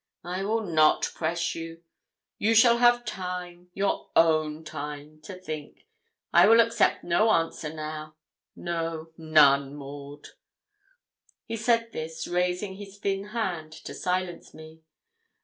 I will not press you; you shall have time, your own time, to think. I will accept no answer now no, none, Maud.' He said this, raising his thin hand to silence me.